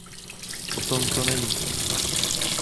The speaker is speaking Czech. O tom to není.